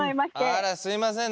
あらすみませんね。